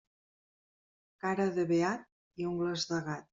Cara de beat i ungles de gat.